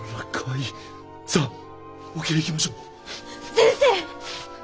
先生！